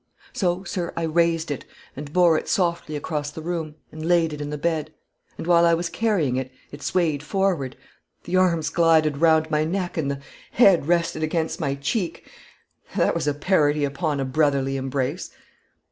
So, sir, I raised it, and bore it softly across the room, and laid it in the bed; and, while I was carrying it, it swayed forward, the arms glided round my neck, and the head rested against my cheek that was a parody upon a brotherly embrace!